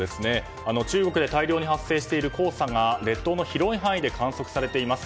中国で大量に発生している黄砂が列島の広い範囲で観測されています。